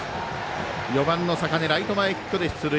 ４番の坂根ライト前ヒットで出塁。